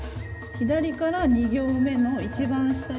左から２行目の一番下に。